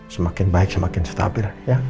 semakin baik semakin stabil